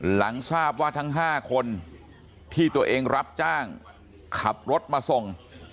หลังทราบว่าทั้ง๕คนที่ตัวเองรับจ้างขับรถมาส่ง